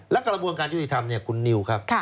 และกระบวนการยุติธรรมเนี่ยคุณนิวครับ